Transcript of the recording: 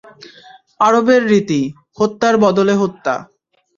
আরবের রীতি, হত্যার বদলে হত্যা।